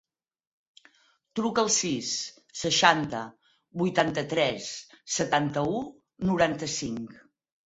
Truca al sis, seixanta, vuitanta-tres, setanta-u, noranta-cinc.